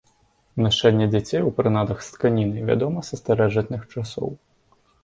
Нашэнне дзяцей у прынадах з тканіны вядома са старажытных часоў.